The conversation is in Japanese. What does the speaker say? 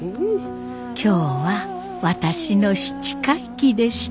今日は私の七回忌でした。